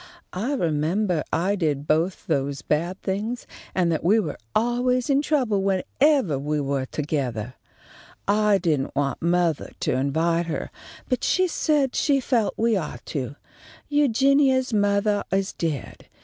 I remembah I did both those bad things, and that we were always in trouble whenevah we were togethah. I didn't want mothah to invite her, but she said she felt that we ought to. Eugenia's mothah is dead.